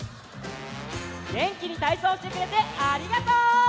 げんきにたいそうしてくれてありがとう！